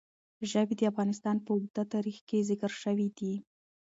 ژبې د افغانستان په اوږده تاریخ کې ذکر شوي دي.